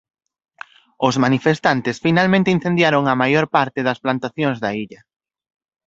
Os manifestantes finalmente incendiaron a maior parte das plantacións da illa.